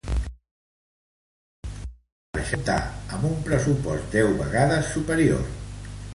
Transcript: La cinta de Marchal comptà amb un pressupost deu vegades superior.